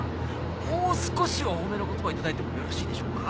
もう少しお褒めの言葉を頂いてもよろしいでしょうか？